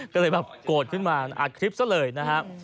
ก็เลยแบบโกรธขึ้นมาอัดคลิปซะเลยนะฮะ